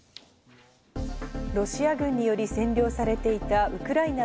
ロシア軍により占領されていたウクライナ